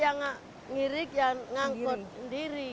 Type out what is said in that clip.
yang ngeras yang ngirik yang ngangkut sendiri